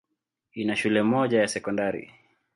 Ina shule moja ya sekondari.